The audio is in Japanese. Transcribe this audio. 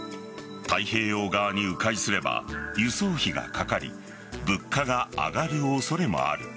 太平洋側に迂回すれば輸送費がかかり物価が上がる恐れもある。